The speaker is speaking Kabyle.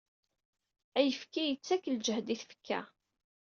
Ayefki yettakk ljehd i tfekka.